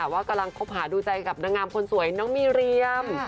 ว่ากำลังคบหาดูใจกับนางงามคนสวยน้องมีเรียม